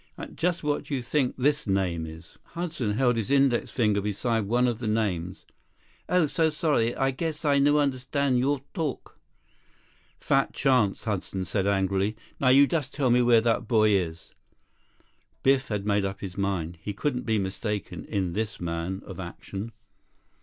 "And just what do you think this name is?" Hudson held his index finger beside one of the names. "Oh, so sorry. I guess I no understand your talk." "Fat chance," Hudson said angrily. "Now you just tell me where that boy is." Biff had made up his mind. He couldn't be mistaken in this man of action.